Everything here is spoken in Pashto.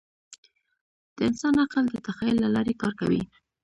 د انسان عقل د تخیل له لارې کار کوي.